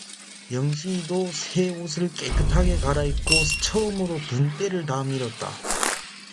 영신이도 새 옷을 깨끗하게 갈아입고 처음으로 분때를 다 밀었다.